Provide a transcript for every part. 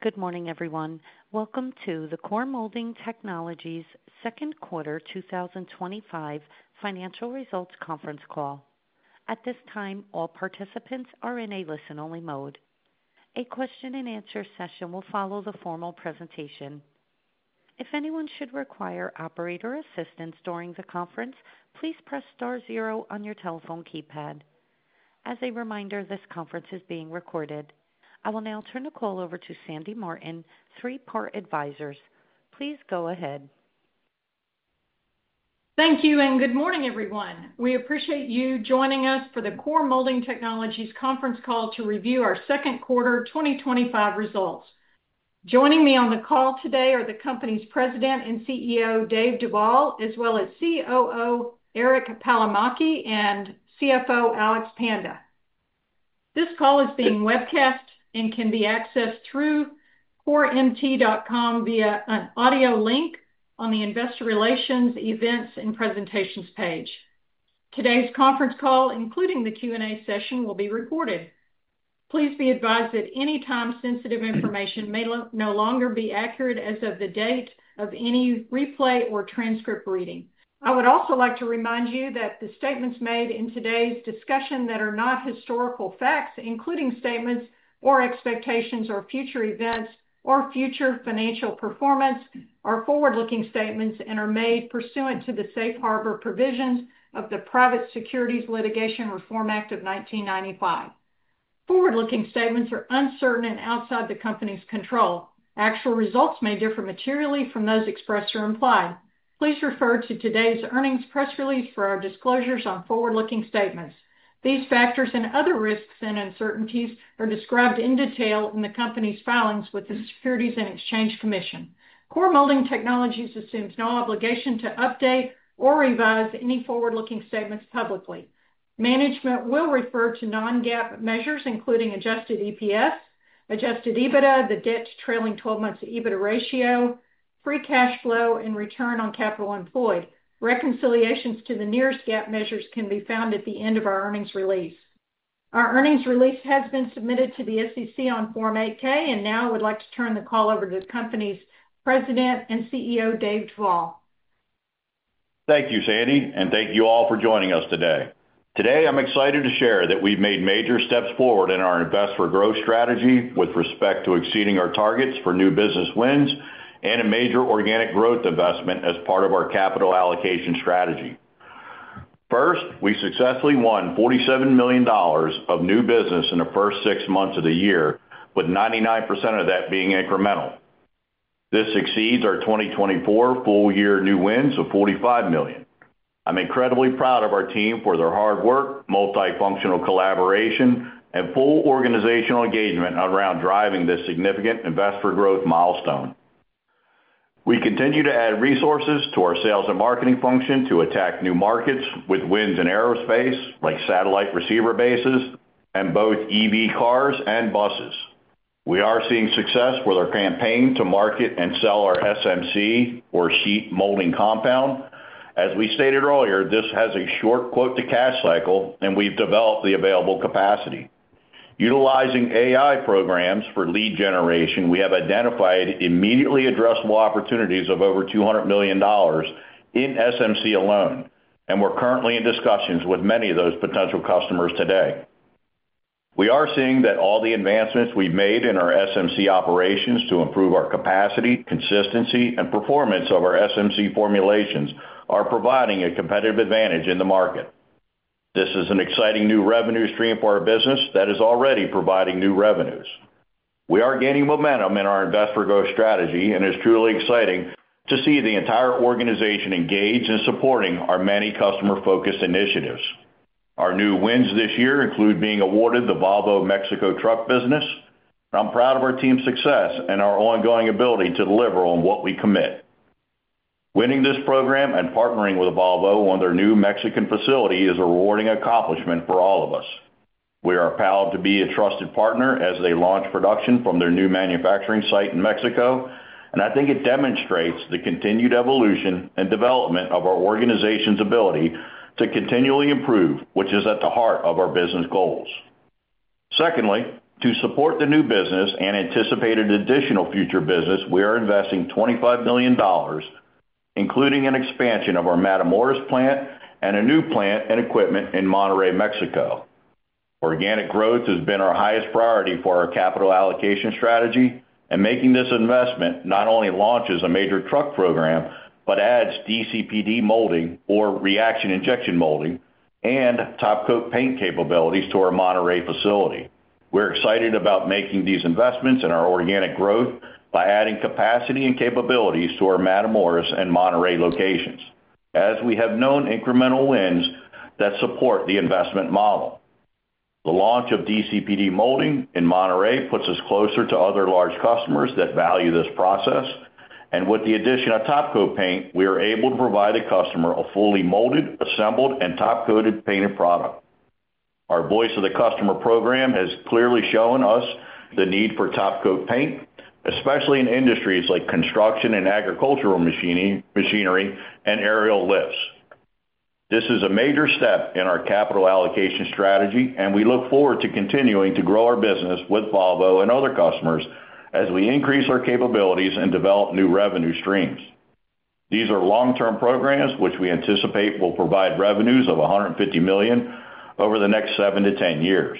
Good morning, everyone. Welcome to the Core Molding Technologies' Second Quarter 2025 Financial Results Conference Call. At this time, all participants are in a listen-only mode. A question-and-answer session will follow the formal presentation. If anyone should require operator assistance during the conference, please press star zero on your telephone keypad. As a reminder, this conference is being recorded. I will now turn the call over to Sandy Martin, Three Part Advisors. Please go ahead. Thank you and good morning, everyone. We appreciate you joining us for the Core Molding Technologies conference call to review our second quarter 2025 results. Joining me on the call today are the company's President and CEO, David Duvall, as well as COO, Eric Palomaki, and CFO, Alex Panda. This call is being webcast and can be accessed through core-mt.com via an audio link on the Investor Relations Events and Presentations page. Today's conference call, including the Q&A session, will be recorded. Please be advised that any time sensitive information may no longer be accurate as of the date of any replay or transcript reading. I would also like to remind you that the statements made in today's discussion that are not historical facts, including statements or expectations or future events or future financial performance, are forward-looking statements and are made pursuant to the safe harbor provisions of the Private Securities Litigation Reform Act of 1995. Forward-looking statements are uncertain and outside the company's control. Actual results may differ materially from those expressed or implied. Please refer to today's earnings press release for our disclosures on forward-looking statements. These factors and other risks and uncertainties are described in detail in the company's filings with the Securities and Exchange Commission. Core Molding Technologies assumes no obligation to update or revise any forward-looking statements publicly. Management will refer to non-GAAP measures, including adjusted EPS, adjusted EBITDA, the debt-to-trailing 12-month EBITDA ratio, free cash flow, and return on capital employed. Reconciliations to the nearest GAAP measures can be found at the end of our earnings release. Our earnings release has been submitted to the SEC on Form 8-K, and now I would like to turn the call over to the company's President and CEO, David Duvall. Thank you, Sandy, and thank you all for joining us today. Today, I'm excited to share that we've made major steps forward in our investor growth strategy with respect to exceeding our targets for new business wins and a major organic growth investment as part of our capital allocation strategy. First, we successfully won $47 million of new business in the first six months of the year, with 99% of that being incremental. This exceeds our 2024 full-year new wins of $45 million. I'm incredibly proud of our team for their hard work, multifunctional collaboration, and full organizational engagement around driving this significant investor growth milestone. We continue to add resources to our sales and marketing function to attack new markets with wins in aerospace, like satellite receiver bases and both EV cars and buses. We are seeing success with our campaign to market and sell our SMC, or sheet molding compound. As we stated earlier, this has a short quote-to-cash cycle, and we've developed the available capacity. Utilizing AI programs for lead generation, we have identified immediately addressable opportunities of over $200 million in SMC alone, and we're currently in discussions with many of those potential customers today. We are seeing that all the advancements we've made in our SMC operations to improve our capacity, consistency, and performance of our SMC formulations are providing a competitive advantage in the market. This is an exciting new revenue stream for our business that is already providing new revenues. We are gaining momentum in our investor growth strategy, and it's truly exciting to see the entire organization engaged in supporting our many customer-focused initiatives. Our new wins this year include being awarded the Volvo Mexico truck business, and I'm proud of our team's success and our ongoing ability to deliver on what we commit. Winning this program and partnering with Volvo on their new Mexican facility is a rewarding accomplishment for all of us. We are proud to be a trusted partner as they launch production from their new manufacturing site in Mexico, and I think it demonstrates the continued evolution and development of our organization's ability to continually improve, which is at the heart of our business goals. Secondly, to support the new business and anticipated additional future business, we are investing $25 million, including an expansion of our Matamoros plant and a new plant and equipment in Monterrey, Mexico. Organic growth has been our highest priority for our capital allocation strategy, and making this investment not only launches a major truck program but adds DCPD molding, or reaction injection molding, and top coat paint capabilities to our Monterrey facility. We're excited about making these investments in our organic growth by adding capacity and capabilities to our Matamoros and Monterrey locations, as we have known incremental wins that support the investment model. The launch of DCPD molding in Monterrey puts us closer to other large customers that value this process, and with the addition of top coat paint, we are able to provide the customer a fully molded, assembled, and top coated painted product. Our Voice of the Customer program has clearly shown us the need for top coat paint, especially in industries like construction and agricultural machinery and aerial lifts. This is a major step in our capital allocation strategy, and we look forward to continuing to grow our business with Volvo and other customers as we increase our capabilities and develop new revenue streams. These are long-term programs which we anticipate will provide revenues of $150 million over the next seven to 10 years.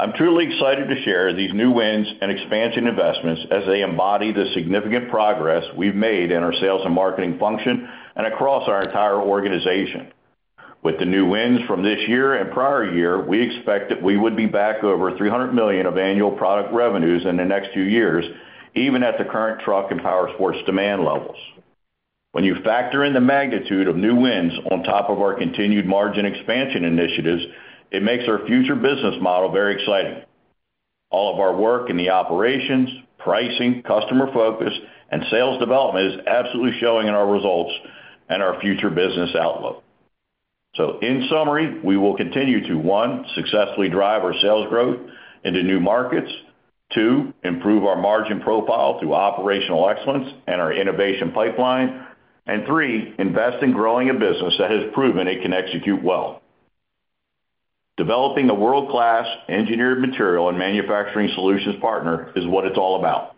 I'm truly excited to share these new wins and expansion investments as they embody the significant progress we've made in our sales and marketing function and across our entire organization. With the new wins from this year and prior year, we expect that we would be back over $300 million of annual product revenues in the next two years, even at the current truck and power source demand levels. When you factor in the magnitude of new wins on top of our continued margin expansion initiatives, it makes our future business model very exciting. All of our work in the operations, pricing, customer focus, and sales development is absolutely showing in our results and our future business outlook. In summary, we will continue to, one, successfully drive our sales growth into new markets, two, improve our margin profile through operational excellence and our innovation pipeline, and three, invest in growing a business that has proven it can execute well. Developing a world-class engineered material and manufacturing solutions partner is what it's all about.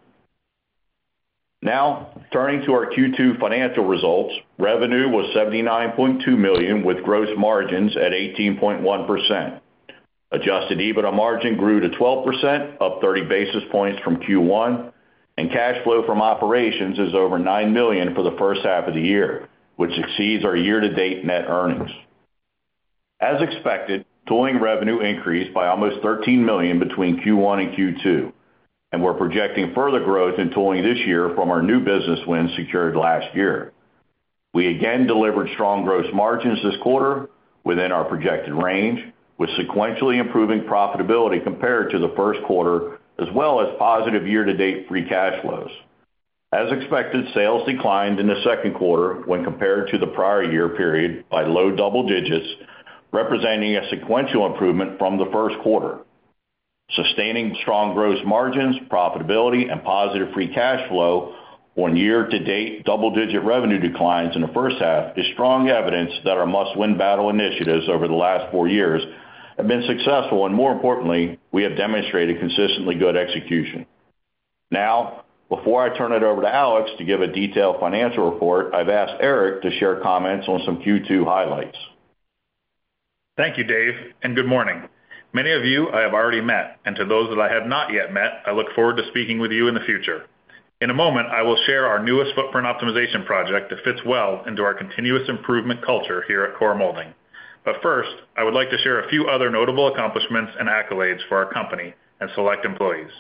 Now, turning to our Q2 financial results, revenue was $79.2 million, with gross margins at 18.1%. Adjusted EBITDA margin grew to 12%, up 30 basis points from Q1, and cash flow from operations is over $9 million for the first half of the year, which exceeds our year-to-date net earnings. As expected, tooling revenue increased by almost $13 million between Q1 and Q2, and we're projecting further growth in tooling this year from our new business wins secured last year. We again delivered strong gross margins this quarter within our projected range, with sequentially improving profitability compared to the first quarter, as well as positive year-to-date free cash flows. As expected, sales declined in the second quarter when compared to the prior year period by low double digits, representing a sequential improvement from the first quarter. Sustaining strong gross margins, profitability, and positive free cash flow when year-to-date double-digit revenue declines in the first half is strong evidence that our must-win battle initiatives over the last four years have been successful, and more importantly, we have demonstrated consistently good execution. Now, before I turn it over to Alex to give a detailed financial report, I've asked Eric to share comments on some Q2 highlights. Thank you, Dave, and good morning. Many of you I have already met, and to those that I have not yet met, I look forward to speaking with you in the future. In a moment, I will share our newest footprint optimization project that fits well into our continuous improvement culture here at Core Molding. First, I would like to share a few other notable accomplishments and accolades for our company and select employees.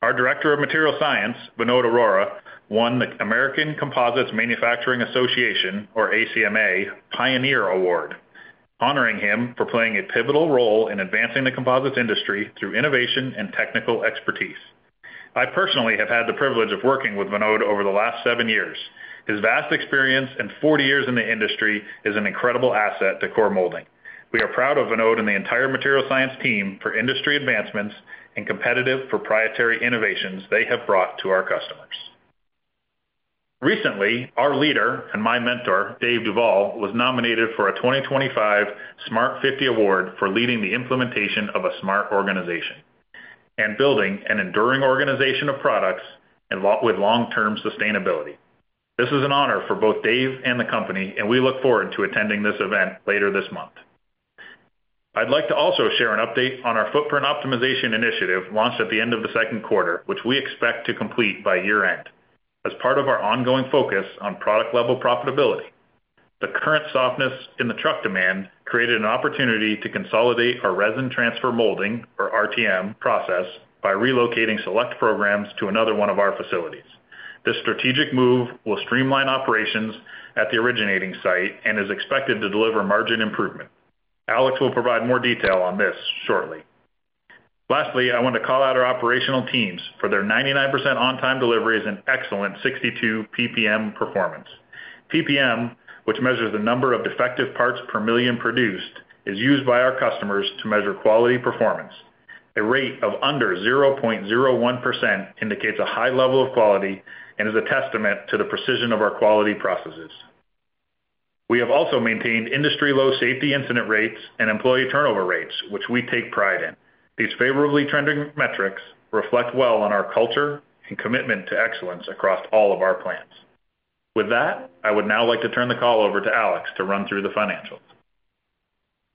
Our Director of Material Science, Vinod Arora, won the American Composites Manufacturing Association, or ACMA, Pioneer Award, honoring him for playing a pivotal role in advancing the composites industry through innovation and technical expertise. I personally have had the privilege of working with Vinod over the last seven years. His vast experience and 40 years in the industry are an incredible asset to Core Molding Technologies. We are proud of Vinod and the entire Material Science team for industry advancements and competitive proprietary innovations they have brought to our customers. Recently, our leader and my mentor, David Duvall, was nominated for a 2025 Smart50 Award for leading the implementation of a smart organization and building an enduring organization of products with long-term sustainability. This is an honor for both David and the company, and we look forward to attending this event later this month. I'd like to also share an update on our footprint optimization initiative launched at the end of the second quarter, which we expect to complete by year-end as part of our ongoing focus on product-level profitability. The current softness in the truck demand created an opportunity to consolidate our resin transfer molding, or RTM, process by relocating select programs to another one of our facilities. This strategic move will streamline operations at the originating site and is expected to deliver margin improvement. Alex will provide more detail on this shortly. Lastly, I want to call out our operational teams for their 99% on-time deliveries and excellent 62 PPM performance. PPM, which measures the number of defective parts per million produced, is used by our customers to measure quality performance. A rate of under 0.01% indicates a high level of quality and is a testament to the precision of our quality processes. We have also maintained industry-low safety incident rates and employee turnover rates, which we take pride in. These favorably trending metrics reflect well on our culture and commitment to excellence across all of our plants. With that, I would now like to turn the call over to Alex to run through the financials.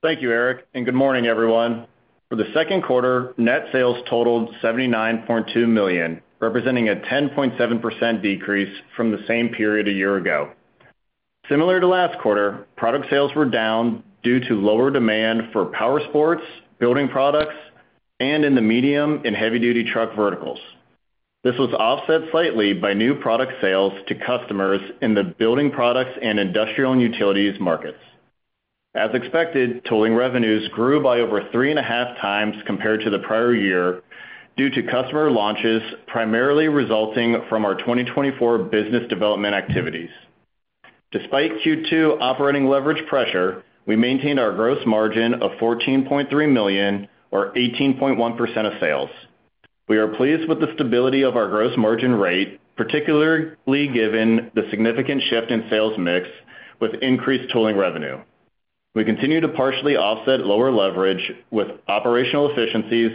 Thank you, Eric, and good morning, everyone. For the second quarter, net sales totaled $79.2 million, representing a 10.7% decrease from the same period a year ago. Similar to last quarter, product sales were down due to lower demand for power sports, building products, and in the medium and heavy-duty truck verticals. This was offset slightly by new product sales to customers in the building products and industrial and utilities markets. As expected, tooling revenue grew by over three and a half times compared to the prior year due to customer launches primarily resulting from our 2024 business development activities. Despite Q2 operating leverage pressure, we maintained our gross margin of $14.3 million, or 18.1% of sales. We are pleased with the stability of our gross margin rate, particularly given the significant shift in sales mix with increased tooling revenue. We continue to partially offset lower leverage with operational efficiencies,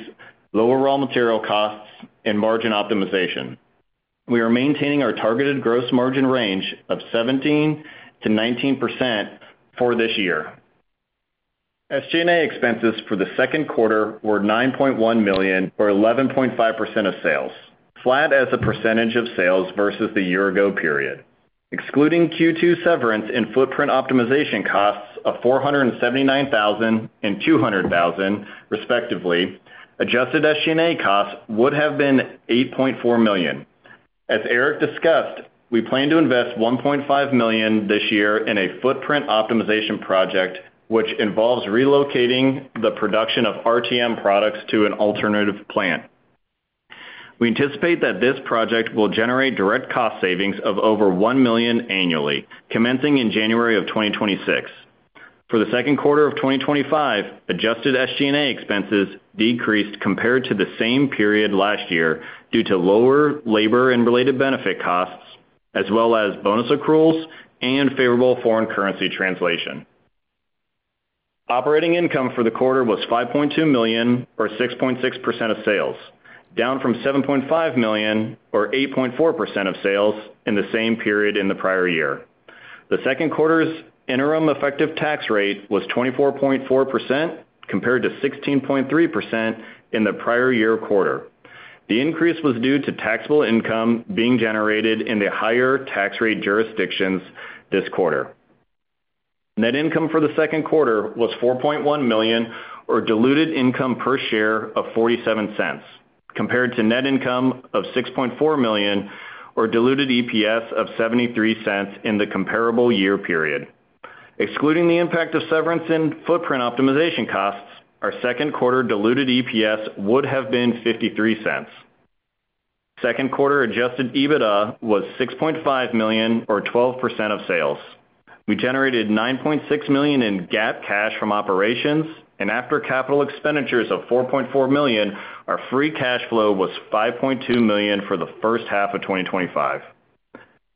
lower raw material costs, and margin optimization. We are maintaining our targeted gross margin range of 17%-19% for this year. SG&A expenses for the second quarter were $9.1 million, or 11.5% of sales, flat as a percentage of sales versus the year-ago period. Excluding Q2 severance and footprint optimization costs of $479,000 and $200,000, respectively, adjusted SG&A costs would have been $8.4 million. As Eric discussed, we plan to invest $1.5 million this year in a footprint optimization project, which involves relocating the production of RTM products to an alternative plant. We anticipate that this project will generate direct cost savings of over $1 million annually, commencing in January of 2026. For the second quarter of 2025, adjusted SG&A expenses decreased compared to the same period last year due to lower labor and related benefit costs, as well as bonus accruals and favorable foreign currency translation. Operating income for the quarter was $5.2 million, or 6.6% of sales, down from $7.5 million, or 8.4% of sales in the same period in the prior year. The second quarter's interim effective tax rate was 24.4% compared to 16.3% in the prior year quarter. The increase was due to taxable income being generated in the higher tax rate jurisdictions this quarter. Net income for the second quarter was $4.1 million, or diluted income per share of $0.47, compared to net income of $6.4 million, or diluted EPS of $0.73 in the comparable year period. Excluding the impact of severance and footprint optimization costs, our second quarter diluted EPS would have been $0.53. Second quarter adjusted EBITDA was $6.5 million, or 12% of sales. We generated $9.6 million in GAAP cash from operations, and after capital expenditures of $4.4 million, our free cash flow was $5.2 million for the first half of 2025.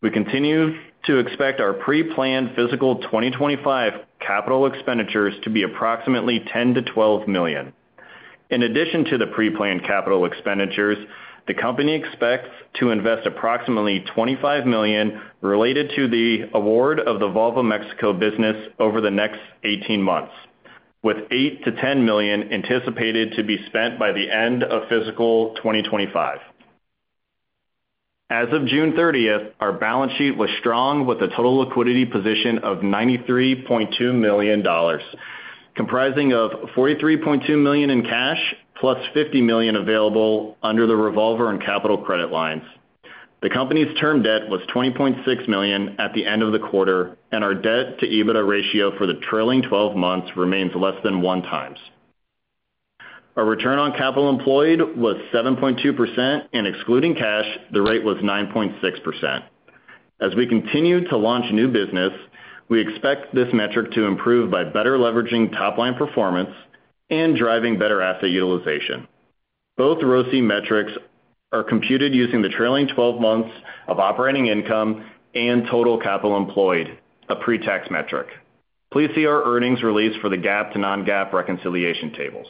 We continue to expect our pre-planned physical 2025 capital expenditures to be approximately $10 million-$12 million. In addition to the pre-planned capital expenditures, the company expects to invest approximately $25 million related to the award of the Volvo Mexico business over the next 18 months, with $8 million-$10 million anticipated to be spent by the end of physical 2025. As of June 30th, our balance sheet was strong with a total liquidity position of $93.2 million, comprising $43.2 million in cash plus $50 million available under the revolver and capital credit lines. The company's term debt was $20.6 million at the end of the quarter, and our debt-to-EBITDA ratio for the trailing 12 months remains less than 1x. Our return on capital employed was 7.2%, and excluding cash, the rate was 9.6%. As we continue to launch new business, we expect this metric to improve by better leveraging top-line performance and driving better asset utilization. Both ROCI metrics are computed using the trailing 12 months of operating income and total capital employed, a pre-tax metric. Please see our earnings release for the GAAP to non-GAAP reconciliation tables.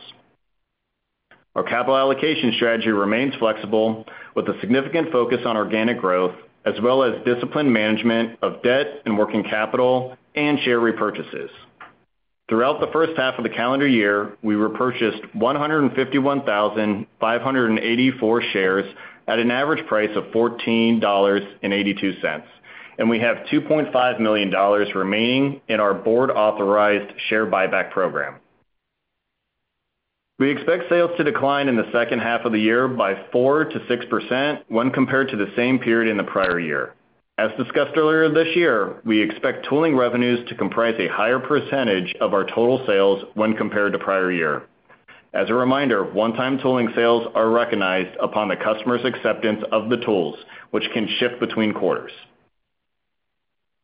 Our capital allocation strategy remains flexible, with a significant focus on organic growth, as well as disciplined management of debt and working capital and share repurchases. Throughout the first half of the calendar year, we repurchased 151,584 shares at an average price of $14.82, and we have $2.5 million remaining in our board-authorized share buyback program. We expect sales to decline in the second half of the year by 4%-6% when compared to the same period in the prior year. As discussed earlier this year, we expect tooling revenues to comprise a higher percentage of our total sales when compared to prior year. As a reminder, one-time tooling sales are recognized upon the customer's acceptance of the tools, which can shift between quarters.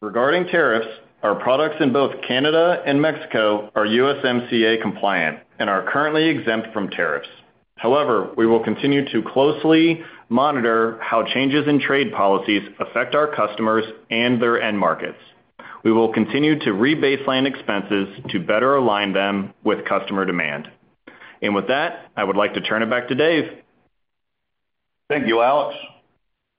Regarding tariffs, our products in both Canada and Mexico are USMCA compliant and are currently exempt from tariffs. However, we will continue to closely monitor how changes in trade policies affect our customers and their end markets. We will continue to rebaseline expenses to better align them with customer demand. With that, I would like to turn it back to Dave. Thank you, Alex.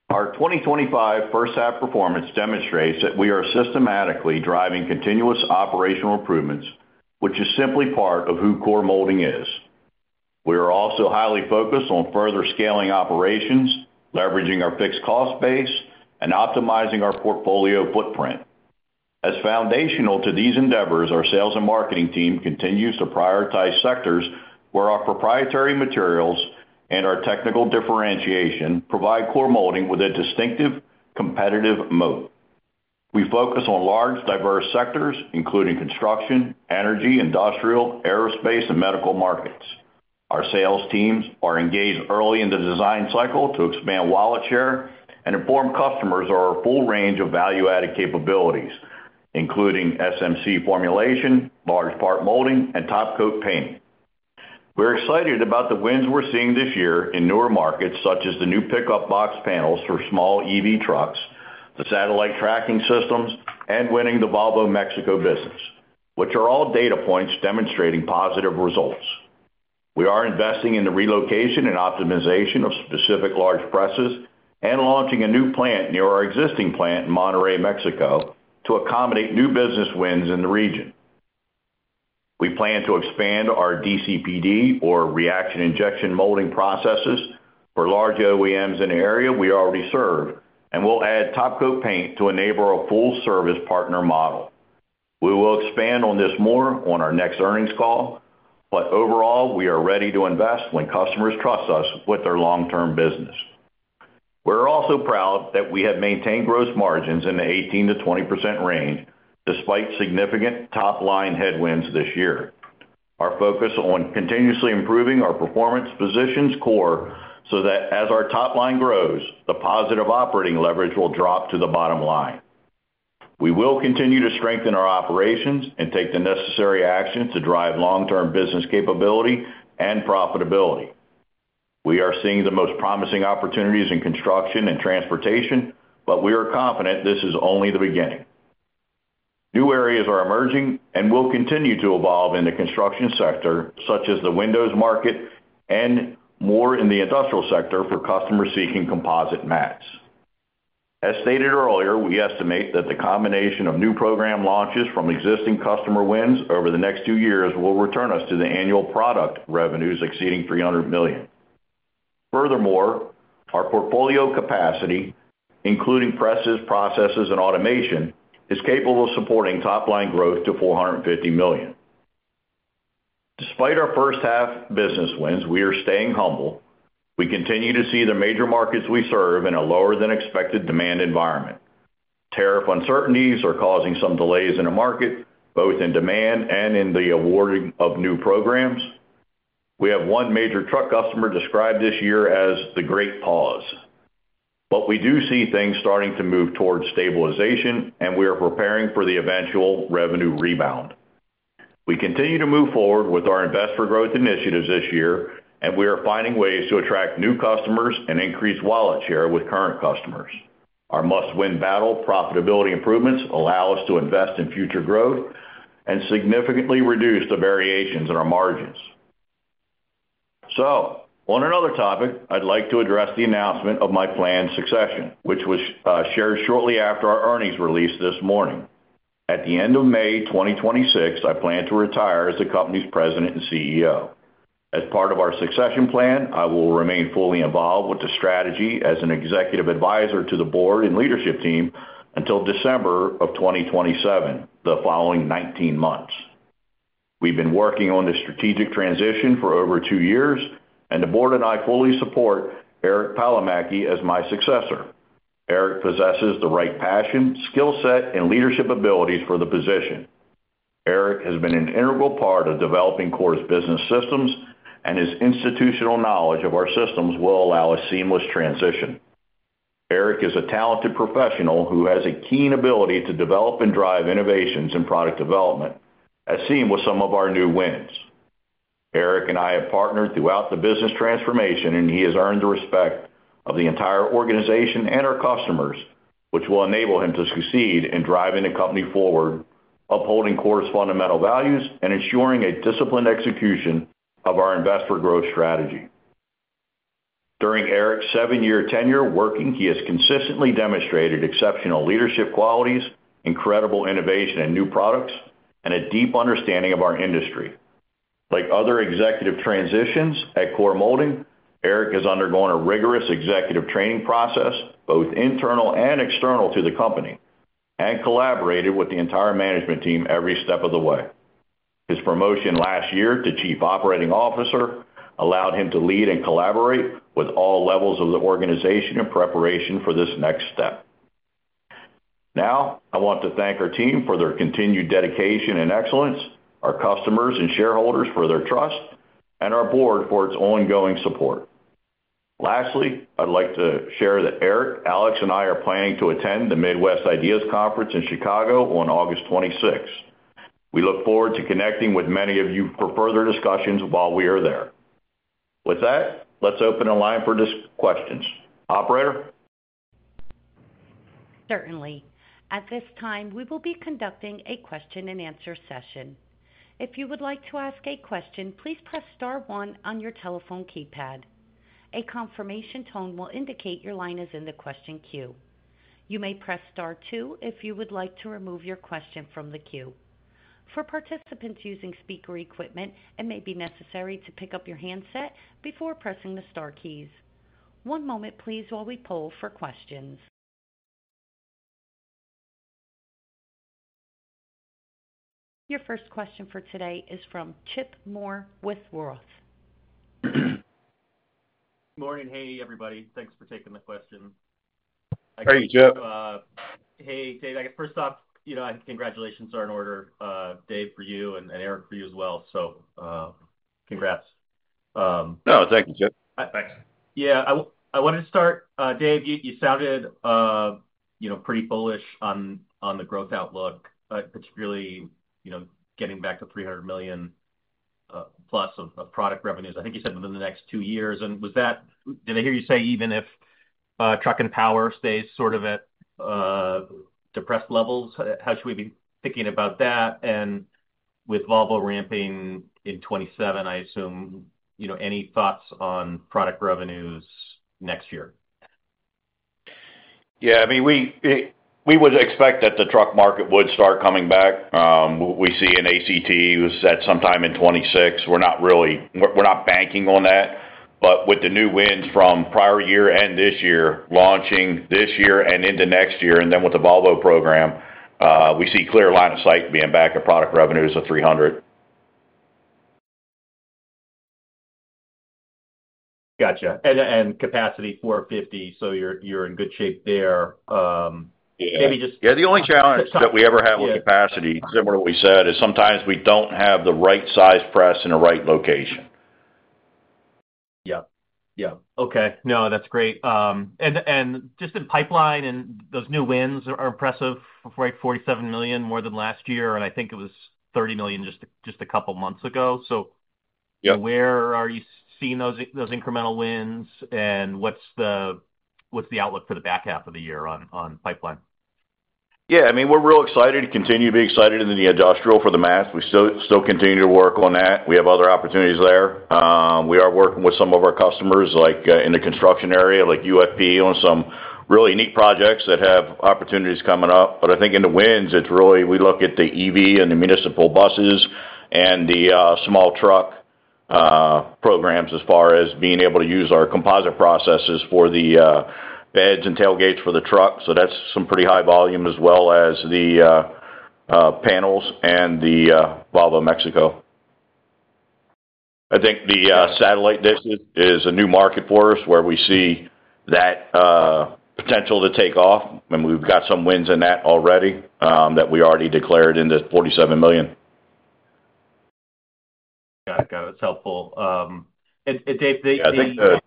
Our 2025 first half performance demonstrates that we are systematically driving continuous operational improvements, which is simply part of who Core Molding is. We are also highly focused on further scaling operations, leveraging our fixed cost base, and optimizing our portfolio footprint. As foundational to these endeavors, our sales and marketing team continues to prioritize sectors where our proprietary materials and our technical differentiation provide Core Molding with a distinctive competitive moat. We focus on large, diverse sectors, including construction, energy, industrial, aerospace, and medical markets. Our sales teams are engaged early in the design cycle to expand wallet share and inform customers of our full range of value-added capabilities, including SMC formulation, large part molding, and top coat paint. We're excited about the wins we're seeing this year in newer markets, such as the new pickup box panels for small EV trucks, the satellite tracking systems, and winning the Volvo Mexico business, which are all data points demonstrating positive results. We are investing in the relocation and optimization of specific large presses and launching a new plant near our existing plant in Monterrey, Mexico, to accommodate new business wins in the region. We plan to expand our DCPD molding or reaction injection molding processes, for large OEMs in the area we already serve, and we'll add top coat paint to enable a full-service partner model. We will expand on this more on our next earnings call, but overall, we are ready to invest when customers trust us with their long-term business. We're also proud that we have maintained gross margins in the 18%-20% range, despite significant top-line headwinds this year. Our focus on continuously improving our performance positions Core, so that as our top line grows, the positive operating leverage will drop to the bottom line. We will continue to strengthen our operations and take the necessary action to drive long-term business capability and profitability. We are seeing the most promising opportunities in construction and transportation, but we are confident this is only the beginning. New areas are emerging and will continue to evolve in the construction sector, such as the windows market and more in the industrial sector for customers seeking composite mats. As stated earlier, we estimate that the combination of new program launches from existing customer wins over the next two years will return us to the annual product revenues exceeding $300 million. Furthermore, our portfolio capacity, including presses, processes, and automation, is capable of supporting top-line growth to $450 million. Despite our first half business wins, we are staying humble. We continue to see the major markets we serve in a lower than expected demand environment. Tariff uncertainties are causing some delays in the market, both in demand and in the awarding of new programs. We have one major truck customer describe this year as the great pause. We do see things starting to move towards stabilization, and we are preparing for the eventual revenue rebound. We continue to move forward with our investor growth initiatives this year, and we are finding ways to attract new customers and increase wallet share with current customers. Our must-win battle profitability improvements allow us to invest in future growth and significantly reduce the variations in our margins. On another topic, I'd like to address the announcement of my planned succession, which was shared shortly after our earnings release this morning. At the end of May 2026, I plan to retire as the company's President and CEO. As part of our succession plan, I will remain fully involved with the strategy as an Executive Advisor to the board and leadership team until December of 2027, the following 19 months. We've been working on the strategic transition for over two years, and the board and I fully support Eric Palomaki as my successor. Eric possesses the right passion, skill set, and leadership abilities for the position. Eric has been an integral part of developing Core's business systems, and his institutional knowledge of our systems will allow a seamless transition. Eric is a talented professional who has a keen ability to develop and drive innovations in product development, as seen with some of our new wins. Eric and I have partnered throughout the business transformation, and he has earned the respect of the entire organization and our customers, which will enable him to succeed in driving the company forward, upholding Core's fundamental values, and ensuring a disciplined execution of our investor growth strategy. During Eric's seven-year tenure working, he has consistently demonstrated exceptional leadership qualities, incredible innovation in new products, and a deep understanding of our industry. Like other executive transitions at Core Molding, Eric has undergone a rigorous executive training process, both internal and external to the company, and collaborated with the entire management team every step of the way. His promotion last year to Chief Operating Officer allowed him to lead and collaborate with all levels of the organization in preparation for this next step. Now, I want to thank our team for their continued dedication and excellence, our customers and shareholders for their trust, and our board for its ongoing support. Lastly, I'd like to share that Eric, Alex, and I are planning to attend the Midwest Ideas Conference in Chicago on August 26th. We look forward to connecting with many of you for further discussions while we are there. With that, let's open the line for questions. Operator? Certainly. At this time, we will be conducting a question-and-answer session. If you would like to ask a question, please press star one on your telephone keypad. A confirmation tone will indicate your line is in the question queue. You may press star two if you would like to remove your question from the queue. For participants using speaker equipment, it may be necessary to pick up your handset before pressing the star keys. One moment, please, while we poll for questions. Your first question for today is from Chip Moore with ROTH. Morning. Hey, everybody. Thanks for taking the question. Hey, Chip. Hey, Dave. I guess first off, I think congratulations are in order, Dave, for you and Eric for you as well. Congrats. No, thank you, Chip. Yeah, I wanted to start. Dave, you sounded, you know, pretty bullish on the growth outlook, particularly, you know, getting back to $300 million+ of product revenues. I think you said within the next two years. Was that, did I hear you say, even if truck and power stays sort of at depressed levels? How should we be thinking about that? With Volvo ramping in 2027, I assume, you know, any thoughts on product revenues next year? Yeah. We would expect that the truck market would start coming back. We see in ACT was at sometime in 2026. We're not really banking on that. With the new wins from prior year and this year, launching this year and into next year, and with the Volvo program, we see a clear line of sight being back at product revenues of $300 million. Gotcha. Capacity is $450, so you're in good shape there. Yeah, the only challenge that we ever have with capacity, similar to what we said, is sometimes we don't have the right size press in the right location. Okay. No, that's great. In pipeline, those new wins are impressive, right? $47 million more than last year, and I think it was $30 million just a couple of months ago. Where are you seeing those incremental wins, and what's the outlook for the back half of the year on pipeline? Yeah, I mean we're real excited to continue to be excited in the industrial for the mats. We still continue to work on that. We have other opportunities there. We are working with some of our customers like in the construction area, like UFP, on some really unique projects that have opportunities coming up. I think in the wins, it's really, we look at the EV and the municipal buses and the small truck programs as far as being able to use our composite processes for the beds and tailgates for the truck. That's some pretty high volume, as well as the panels and the Volvo Mexico. I think the satellite business is a new market for us where we see that potential to take off. We've got some wins in that already that we already declared into $47 million. Got it. That's helpful. Dave, the Yeah,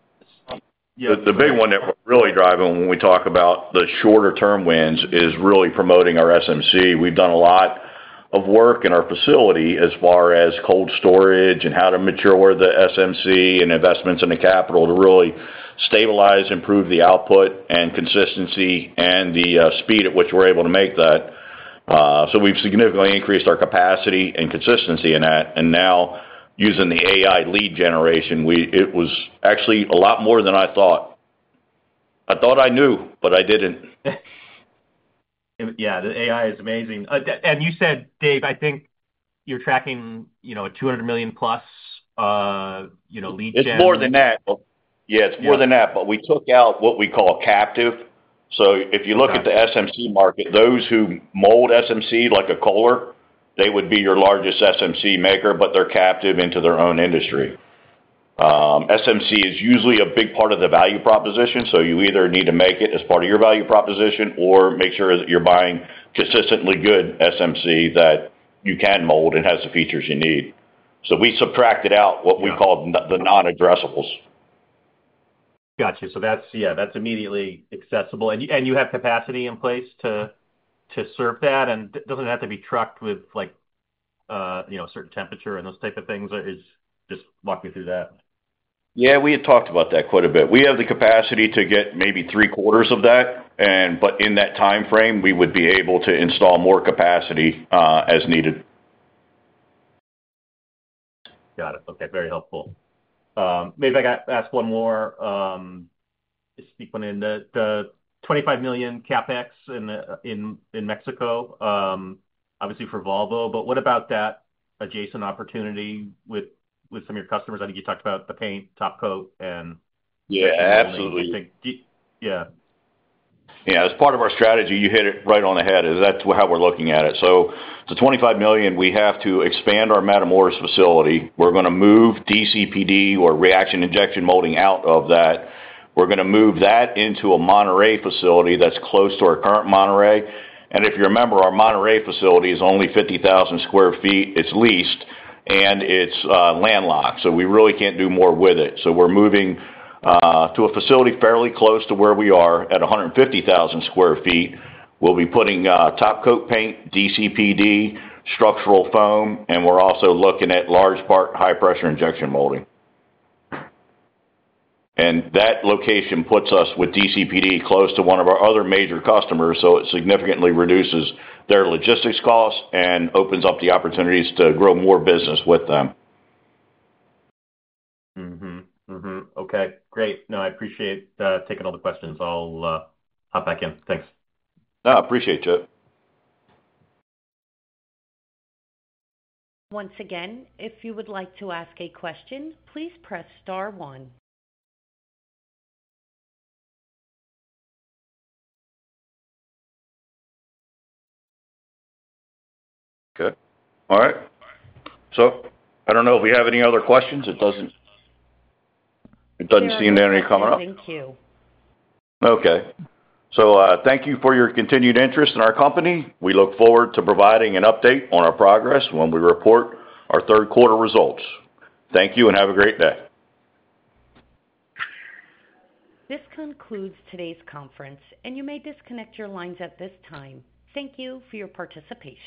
the big one that we're really driving when we talk about the shorter-term wins is really promoting our SMC. We've done a lot of work in our facility as far as cold storage and how to mature the SMC and investments in the capital to really stabilize and improve the output and consistency and the speed at which we're able to make that. We've significantly increased our capacity and consistency in that. Now, using the AI-driven lead generation, it was actually a lot more than I thought. I thought I knew, but I didn't. Yeah, the AI is amazing. You said, Dave, I think you're tracking a $200 million+ lead generation. It's more than that. Yeah, it's more than that. We took out what we call captive. If you look at the SMC market, those who mold SMC like a Core, they would be your largest SMC maker, but they're captive into their own industry. SMC is usually a big part of the value proposition. You either need to make it as part of your value proposition or make sure that you're buying consistently good SMC that you can mold and has the features you need. We subtracted out what we call the non-aggressibles. That's immediately accessible, and you have capacity in place to serve that. It doesn't have to be trucked with a certain temperature and those types of things. Just walk me through that. Yeah, we had talked about that quite a bit. We have the capacity to get maybe three-quarters of that. In that time frame, we would be able to install more capacity as needed. Got it. Okay, very helpful. Maybe I got to ask one more. Speaking in the $25 million CapEx in Mexico, obviously for Volvo, what about that adjacent opportunity with some of your customers? I think you talked about the paint, top coat, and. Yeah, absolutely. It's part of our strategy. You hit it right on the head. That's how we're looking at it. The $25 million, we have to expand our Matamoros facility. We're going to move DCPD, or reaction injection molding, out of that. We're going to move that into a Monterrey facility that's close to our current Monterrey. If you remember, our Monterrey facility is only 50,000 sq. ft. It's leased and it's landlocked, so we really can't do more with it. We're moving to a facility fairly close to where we are at 150,000 sq. ft. We'll be putting top coat paint, DCPD, structural foam, and we're also looking at large part high-pressure injection molding. That location puts us with DCPD close to one of our other major customers. It significantly reduces their logistics costs and opens up the opportunities to grow more business with them. Okay, great. No, I appreciate taking all the questions. I'll hop back in. Thanks. I appreciate you. Once again, if you would like to ask a question, please press star one. All right. I don't know if we have any other questions. It doesn't seem to have any coming up. Thank you. Thank you for your continued interest in our company. We look forward to providing an update on our progress when we report our third quarter results. Thank you and have a great day. This concludes today's conference, and you may disconnect your lines at this time. Thank you for your participation.